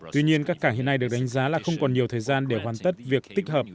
tuy nhiên các cảng hiện nay được đánh giá là không còn nhiều thời gian để hoàn tất việc tích hợp